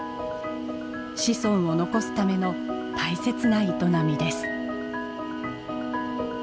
子孫を残すための大切な営みです。